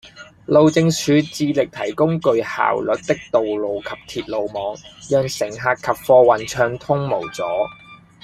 路政署致力提供具效率的道路及鐵路網，讓乘客及貨運暢通無阻